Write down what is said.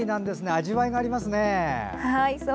味わいがありますね。